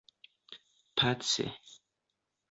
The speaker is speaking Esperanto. pace